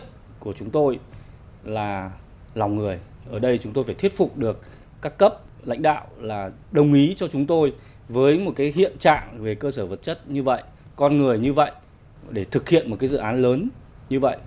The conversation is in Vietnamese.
chúng tôi là lòng người ở đây chúng tôi phải thuyết phục được các cấp lãnh đạo là đồng ý cho chúng tôi với một cái hiện trạng về cơ sở vật chất như vậy con người như vậy để thực hiện một cái dự án lớn như vậy